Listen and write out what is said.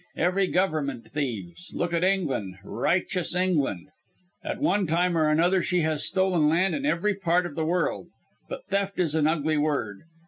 Every Government thieves. Look at England righteous England! At one time or another she has stolen land in every part of the world. But theft is an ugly word.